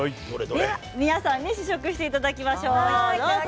皆さんに試食していただきましょうどうぞ。